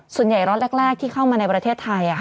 ส่วนใหญ่รอดแรกที่เข้ามาในประเทศไทย